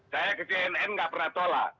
saya ke cnn nggak pernah tolak